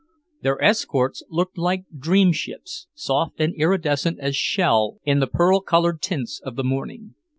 Their escorts looked like dream ships, soft and iridescent as shell in the pearl coloured tints of the morning.